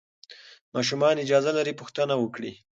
ماشومان اجازه لري پوښتنه وکړي.